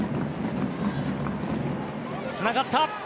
つながった！